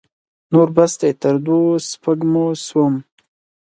نور بس دی؛ تر دوو سپږمو سوم.